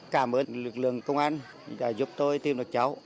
cảm ơn lực lượng công an đã giúp tôi tìm được cháu